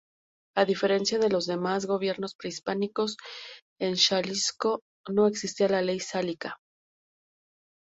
A diferencia de los demás gobiernos prehispánicos, en Xalisco no existía la ley sálica.